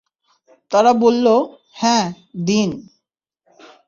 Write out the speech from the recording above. তারা বলল, হ্যাঁ, দিন।